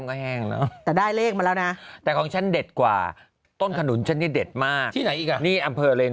ใช่เพราะชาวบ้านตัดไปตัดฟื้น